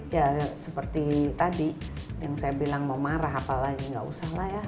ya seperti tadi yang saya bilang mau marah apalagi nggak usah lah ya